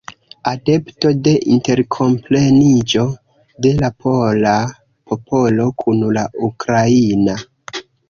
Adepto de interkompreniĝo de la pola popolo kun la ukraina.